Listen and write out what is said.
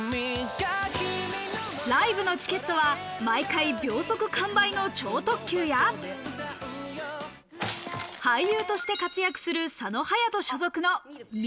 ライブのチケットは毎回秒速完売の超特急や俳優として活躍する、佐野勇人所属のＭ！